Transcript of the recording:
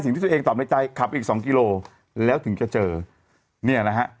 สิ่งที่ตัวเองตอบในใจขับอีกสองกิโลแล้วถึงจะเจอเนี่ยนะฮะ